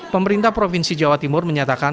pemerintah provinsi jawa timur menyatakan